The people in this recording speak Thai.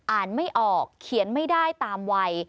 อ่านไม่ออกเขียนไม่ได้ตามวัย